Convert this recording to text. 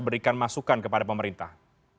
berikan masukan kepada pemerintah